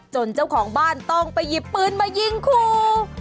เจ้าของบ้านต้องไปหยิบปืนมายิงคู่